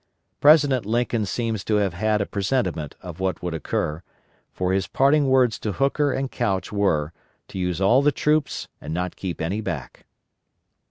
President Lincoln seems to have had a presentiment of what would occur, for his parting words to Hooker and Couch were, to use all the troops and not keep any back.